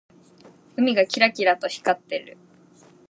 海がキラキラと光っている。